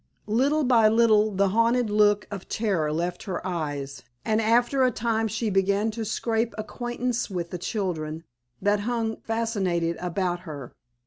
Little by little the haunted look of terror left her eyes, and after a time she began to scrape acquaintance with the children that hung fascinated about her.